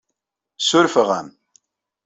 Ssurfeɣ-am.